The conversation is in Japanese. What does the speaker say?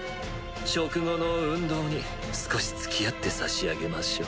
食後の運動に少し付き合ってさしあげましょう。